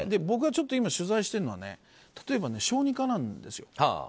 僕がちょっと今取材しているのは例えば小児科なんですよ。